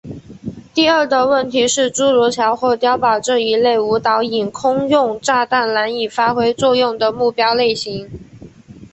第二的问题是诸如桥或是碉堡这一类无导引空用炸弹难以发挥作用的目标类型。